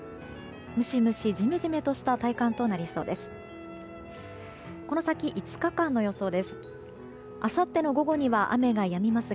ムシムシ、ジメジメとした体感となりそうです。